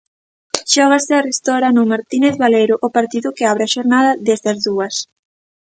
Xógase arestora no Martínez Valero o partido que abre a xornada desde as dúas.